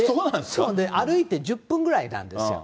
歩いて１０分ぐらいなんですよ。